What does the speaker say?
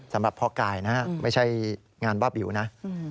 สำหรับพ่อกายนะไม่ใช่งานบ้าบิวนะ